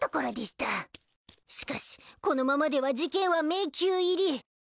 しかしこのままでは事件は迷宮入り。